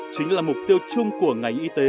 chính là mục tiêu chung của ngành y tế